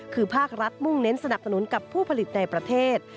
คือภาครัฐมุ่งเน้นสนับสนุนกับผู้ผลิตในประเทศ